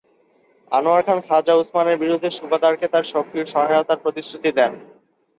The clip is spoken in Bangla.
আনোয়ার খান খাজা উসমানের বিরুদ্ধে সুবাদারকে তাঁর সক্রিয় সহায়তার প্রতিশ্রুতি দেন।